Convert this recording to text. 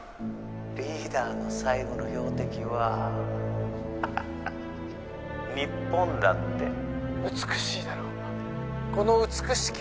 リーダーの最後の標的はハハハハ日本だって美しいだろうこの美しき